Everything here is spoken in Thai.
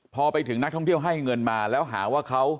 พอไปถึงนักท่องเที่ยวให้เงินมาแล้วหาว่าเขา